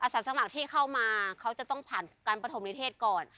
สาสมัครที่เข้ามาเขาจะต้องผ่านการประถมนิเทศก่อน